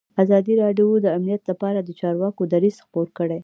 ازادي راډیو د امنیت لپاره د چارواکو دریځ خپور کړی.